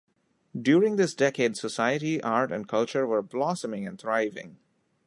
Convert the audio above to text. During this decade society, art and culture were blossoming and thriving.